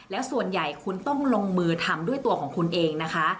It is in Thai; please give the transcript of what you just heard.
แล้วส่วนใหญ่คุณต้องลงมือทำด้วยตัวของคุณเองนะคะ